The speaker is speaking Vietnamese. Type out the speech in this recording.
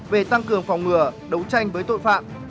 về tăng cường phòng ngừa đấu tranh với tội phạm